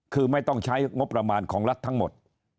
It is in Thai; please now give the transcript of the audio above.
คือไม่ต้องใช้งบประมาณของรัฐทั้งหมด